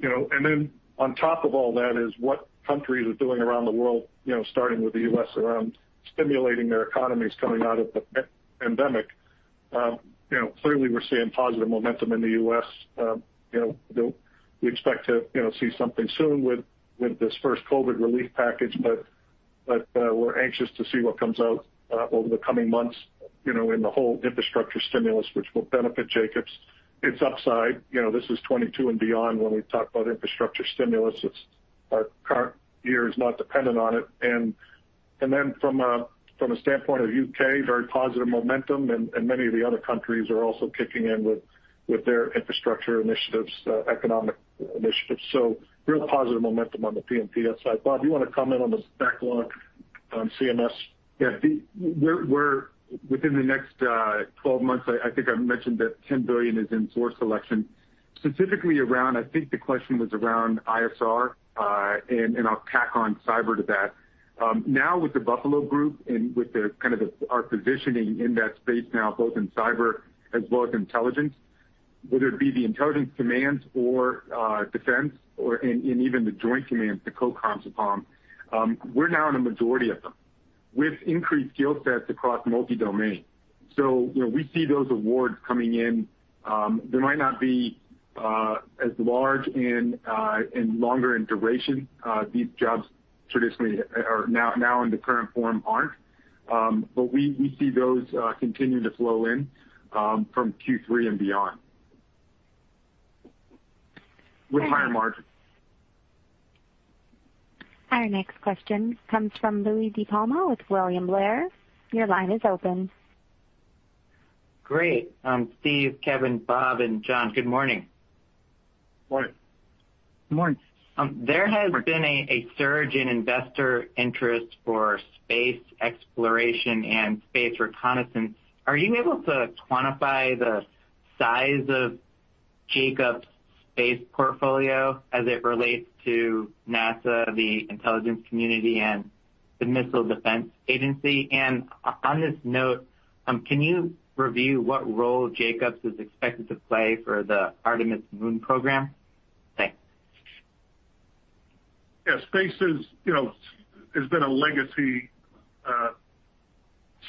Then on top of all that is what countries are doing around the world, starting with the U.S., around stimulating their economies coming out of the pandemic. Clearly, we're seeing positive momentum in the U.S. We expect to see something soon with this first COVID relief package, but we're anxious to see what comes out over the coming months in the whole infrastructure stimulus, which will benefit Jacobs. It's upside. This is 2022 and beyond when we talk about infrastructure stimulus. Our current year is not dependent on it. Then from a standpoint of U.K., very positive momentum and many of the other countries are also kicking in with their infrastructure initiatives, economic initiatives. Real positive momentum on the P&PS side. Bob, do you want to comment on the backlog on CMS? Yeah. Within the next 12 months, I think I mentioned that $10 billion is in source selection. Specifically around, I think the question was around ISR, and I'll tack on cyber to that. With The Buffalo Group and with our positioning in that space now both in cyber as well as intelligence, whether it be the intelligence commands or defense or, and even the joint commands, we're now in a majority of them with increased skill sets across multi-domain. We see those awards coming in. They might not be as large and longer in duration. These jobs traditionally are now in the current form aren't, but we see those continue to flow in from Q3 and beyond with higher margins. Our next question comes from Louie DiPalma with William Blair. Your line is open. Great. Steve, Kevin, Bob, and John, good morning. Morning. Morning. There has been a surge in investor interest for space exploration and space reconnaissance. Are you able to quantify the size of Jacobs' space portfolio as it relates to NASA, the intelligence community, and the Missile Defense Agency? On this note, can you review what role Jacobs is expected to play for the Artemis Moon program? Thanks. Yeah. Space has been a legacy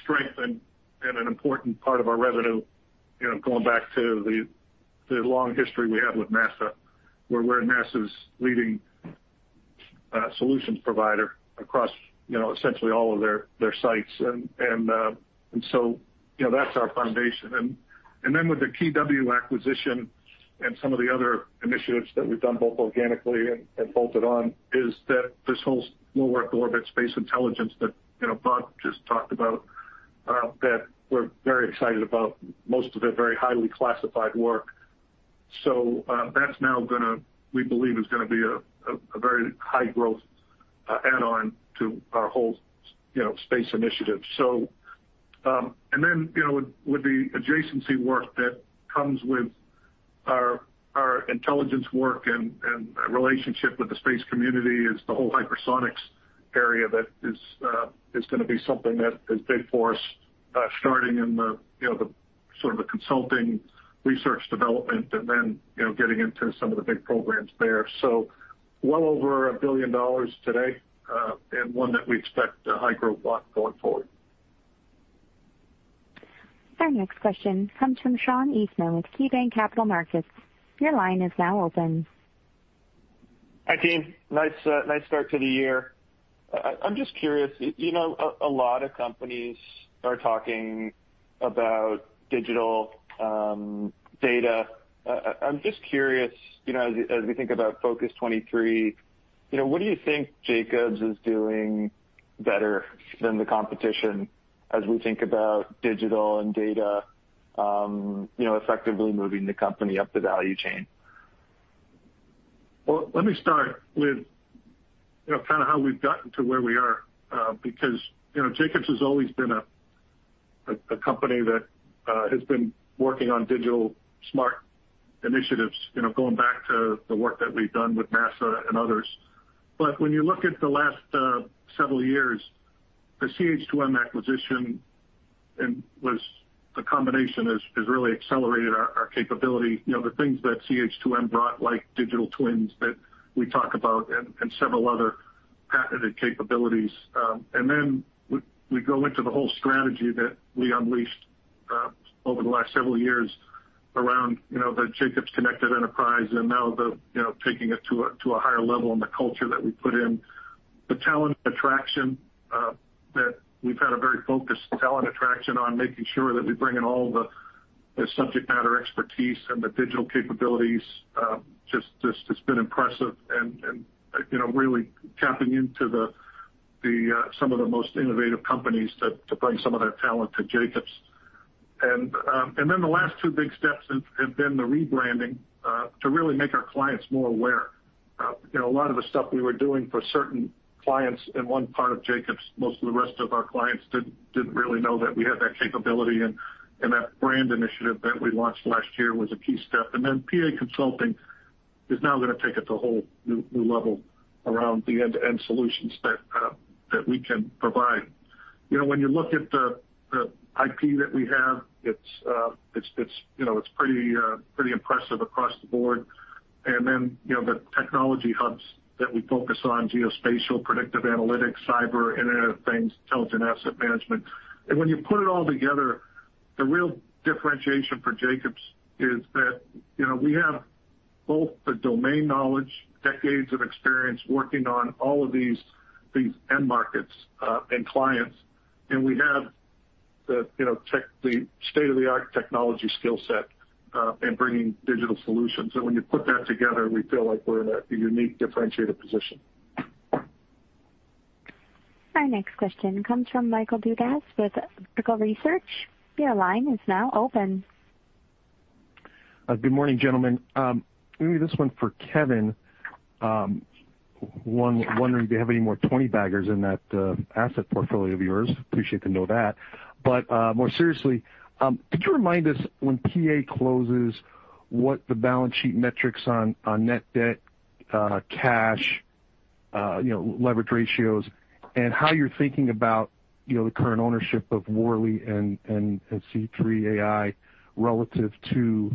strength and an important part of our revenue, going back to the long history we have with NASA, where we're NASA's leading solutions provider across essentially all of their sites. That's our foundation. With the KeyW acquisition and some of the other initiatives that we've done both organically and bolted on is that this whole low Earth orbit space intelligence that Bob just talked about, that we're very excited about most of their very highly classified work. That's now, we believe, is going to be a very high growth add-on to our whole space initiative. Then, with the adjacency work that comes with our intelligence work and relationship with the space community is the whole hypersonics area that is going to be something that is big for us, starting in the sort of the consulting, research development, and then getting into some of the big programs there. So well over $1 billion today, and one that we expect a high growth block going forward. Our next question comes from Sean Eastman with KeyBanc Capital Markets. Your line is now open. Hi, team. Nice start to the year. I'm just curious. A lot of companies are talking about digital data. I'm just curious, as we think about Focus 2023, what do you think Jacobs is doing better than the competition as we think about digital and data, effectively moving the company up the value chain? Well, let me start with how we've gotten to where we are, because Jacobs has always been a company that has been working on digital smart initiatives, going back to the work that we've done with NASA and others. When you look at the last several years, the CH2M acquisition, and the combination, has really accelerated our capability. The things that CH2M brought, like digital twins that we talk about, and several other patented capabilities. Then we go into the whole strategy that we unleashed over the last several years around the Jacobs Connected Enterprise, and now taking it to a higher level in the culture that we put in. The talent attraction, that we've had a very focused talent attraction on making sure that we bring in all the subject matter expertise and the digital capabilities. It's been impressive and really tapping into some of the most innovative companies to bring some of their talent to Jacobs. The last two big steps have been the rebranding, to really make our clients more aware. A lot of the stuff we were doing for certain clients in one part of Jacobs, most of the rest of our clients didn't really know that we had that capability, and that brand initiative that we launched last year was a key step. PA Consulting is now going to take it to a whole new level around the end-to-end solutions that we can provide. When you look at the IP that we have, it's pretty impressive across the board. The technology hubs that we focus on, geospatial, predictive analytics, cyber, Internet of Things, intelligent asset management. When you put it all together, the real differentiation for Jacobs is that we have both the domain knowledge, decades of experience working on all of these end markets, and clients, and we have the state-of-the-art technology skill set, and bringing digital solutions. When you put that together, we feel like we're in a unique, differentiated position. Our next question comes from Michael Dudas with Vertical Research Partners. Your line is now open. Good morning, gentlemen. Maybe this one for Kevin. Wondering if you have any more 20-baggers in that asset portfolio of yours. Appreciate to know that. More seriously, could you remind us, when PA closes, what the balance sheet metrics on net debt, cash, leverage ratios, and how you're thinking about the current ownership of Worley and C3.ai Relative to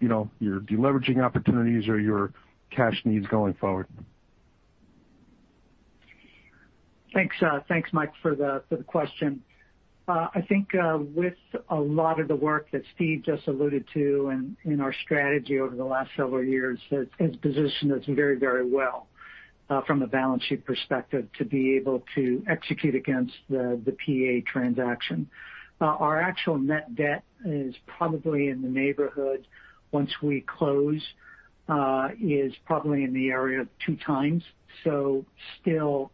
your deleveraging opportunities or your cash needs going forward? Thanks, Mike, for the question. I think with a lot of the work that Steve just alluded to in our strategy over the last several years has positioned us very well from a balance sheet perspective to be able to execute against the PA transaction. Our actual net debt is probably in the neighborhood, once we close, is probably in the area of 2x. Still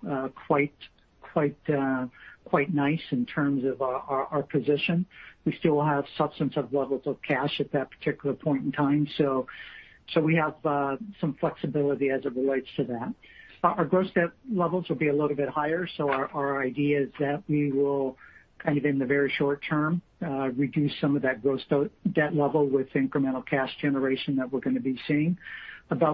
quite nice in terms of our position. We still have substantive levels of cash at that particular point in time. We have some flexibility as it relates to that. Our gross debt levels will be a little bit higher, so our idea is that we will, in the very short-term, reduce some of that gross debt level with incremental cash generation that we're going to be seeing.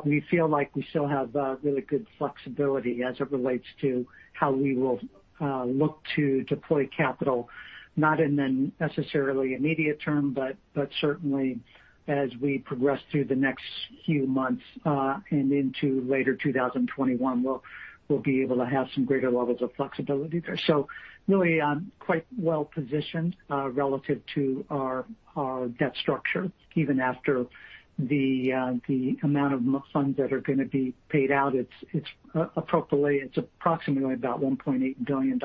We feel like we still have really good flexibility as it relates to how we will look to deploy capital, not in the necessarily immediate term, but certainly as we progress through the next few months, and into later 2021, we'll be able to have some greater levels of flexibility there. Really quite well-positioned relative to our debt structure, even after the amount of funds that are going to be paid out, it's approximately about $1.8 billion.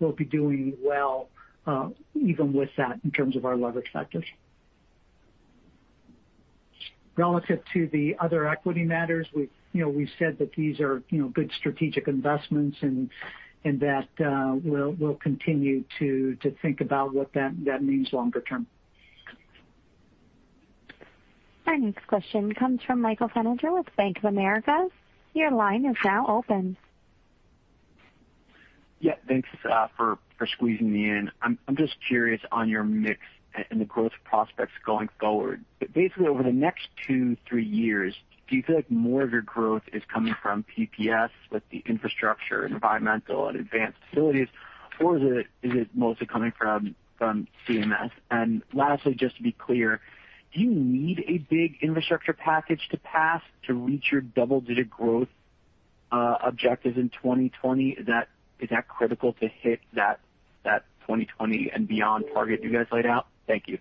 We'll be doing well, even with that, in terms of our leverage factors. Relative to the other equity matters, we've said that these are good strategic investments and that we'll continue to think about what that means longer term. Our next question comes from Michael Feniger with Bank of America. Your line is now open. Yeah. Thanks for squeezing me in. I'm just curious on your mix and the growth prospects going forward. Basically, over the next two, three years, do you feel like more of your growth is coming from P&PS with the infrastructure, environmental, and advanced facilities, or is it mostly coming from CMS? Lastly, just to be clear, do you need a big infrastructure package to pass to reach your double-digit growth objectives in 2020? Is that critical to hit that 2020 and beyond target you guys laid out? Thank you.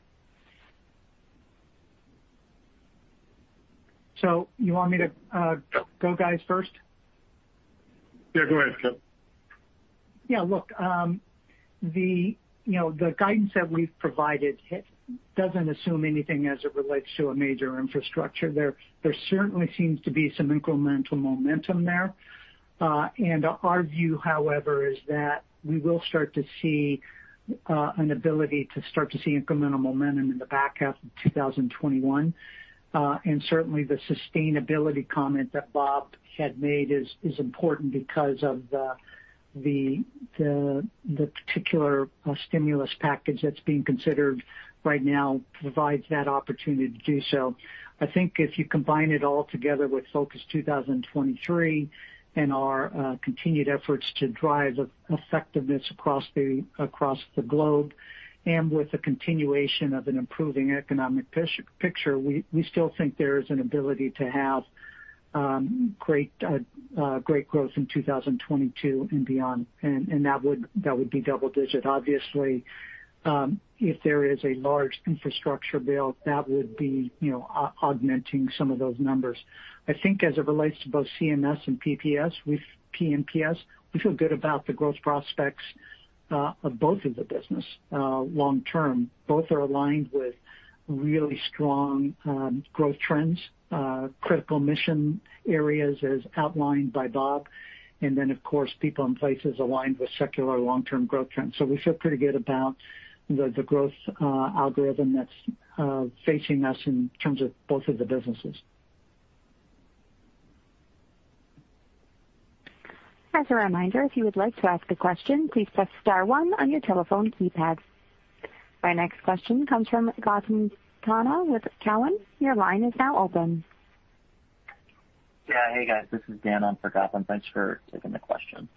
You want me to go, guys, first? Yeah, go ahead, Kevin. Look, the guidance that we've provided doesn't assume anything as it relates to a major infrastructure. There certainly seems to be some incremental momentum there. Our view, however, is that we will start to see an ability to start to see incremental momentum in the back half of 2021. Certainly, the sustainability comment that Bob had made is important because of the particular stimulus package that's being considered right now provides that opportunity to do so. I think if you combine it all together with Focus 2023 and our continued efforts to drive effectiveness across the globe, and with the continuation of an improving economic picture, we still think there is an ability to have great growth in 2022 and beyond. That would be double digit, obviously. If there is a large infrastructure bill, that would be augmenting some of those numbers. I think as it relates to both CMS and P&PS, we feel good about the growth prospects of both of the business long-term. Both are aligned with really strong growth trends, critical mission areas as outlined by Bob, and then, of course, People & Places aligned with secular long-term growth trends. We feel pretty good about the growth algorithm that's facing us in terms of both of the businesses. As a reminder, if you would like to ask a question, please press star one on your telephone keypad. Our next question comes from Gautam Khanna with Cowen. Your line is now open. Yeah. Hey, guys, this is Dan on for Gautam. Thanks for taking the question.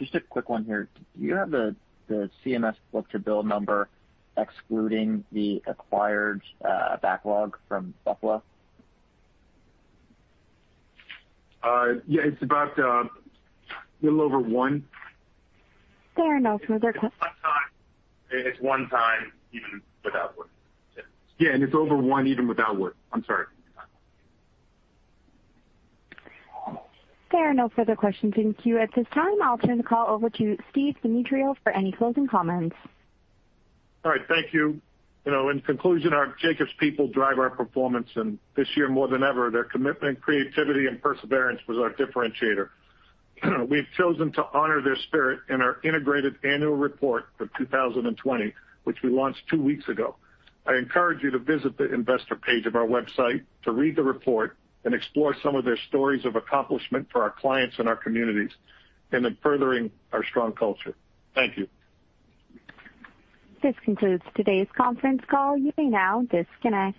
Just a quick one here. Do you have the CMS book-to-bill number excluding the acquired backlog from Buffalo? Yeah, it's about a little over one. There are no further que- One time. It's one time even without Wood. Yeah, and it's over one even without Wood. I'm sorry. There are no further questions in queue at this time. I'll turn the call over to Steve Demetriou for any closing comments. All right, thank you. In conclusion, our Jacobs people drive our performance, and this year, more than ever, their commitment, creativity, and perseverance was our differentiator. We've chosen to honor their spirit in our integrated annual report for 2020, which we launched two weeks ago. I encourage you to visit the investor page of our website to read the report and explore some of their stories of accomplishment for our clients and our communities and in furthering our strong culture. Thank you. This concludes today's conference call. You may now disconnect.